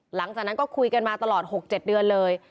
หลังจากนั้นก็คุยกันมาตลอด๖๗เดือนเลย